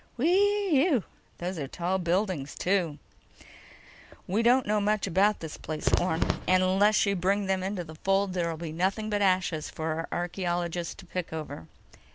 "Whee ew! Those are tall buildings, too." "We don't know much about this place, Orne. And unless you bring them into the fold, there'll be nothing but ashes for our archaeologists to pick over."